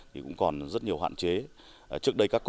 thì cũng còn rất nhiều hoạn chế